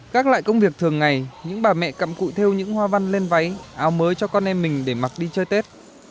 các loại công việc thường ngày những bà mẹ cặm cụi theo những hoa văn lên váy áo mới cho con em mình để mặc đi chơi tết